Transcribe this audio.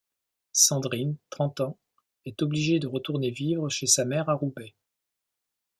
Sandrine, trente ans, est obligée de retourner vivre chez sa mère à Roubaix.